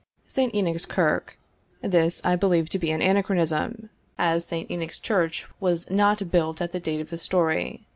* This I believe to be an anachronism, as Saint Enoch's Church was not built at the date of the story.